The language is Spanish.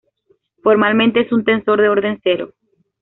Formalmente es un tensor de orden cero.